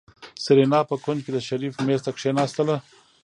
سېرېنا په کونج کې د شريف مېز ته کېناستله.